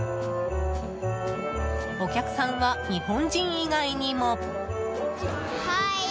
お客さんは日本人以外にも。